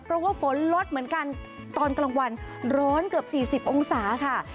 เพราะว่าฝนลดเหมือนกันตอนกลางวันร้อนเกือบ๔๐องศาค่ะ